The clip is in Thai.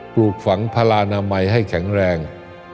ปลูกฝังพลานามัยให้แข็งแรง